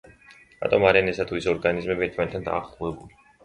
რატომ არიან ესა თუ ის ორგანიზმები ერთმანეთთან დაახლოებული?